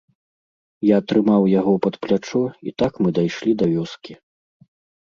Я трымаў яго пад плячо, і так мы дайшлі да вёскі.